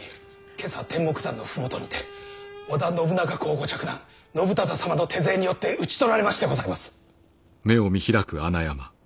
今朝天目山の麓にて織田信長公ご嫡男信忠様の手勢によって討ち取られましてございます。